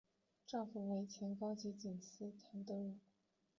丈夫为前高级警司谭德荣。